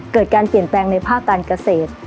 เกิดการเปลี่ยนแปลงในภาคการเกษตร